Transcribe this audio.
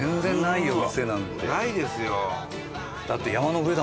ないですよ。